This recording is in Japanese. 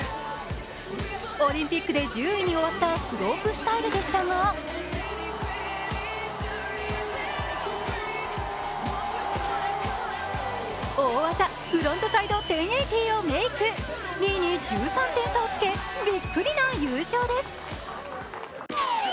オリンピックで１０位に終わったスロープスタイルでしたが大技フロントサイド１０８０をメーク、２位に１３点差をつけ、びっくりの優勝です。